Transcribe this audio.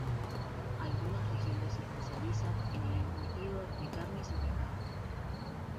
Algunas regiones se especializan en el encurtido de carnes y pescados.